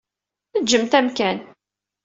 Ǧǧemt amkan.